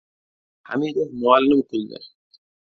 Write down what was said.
Hamidov muallim kuldi.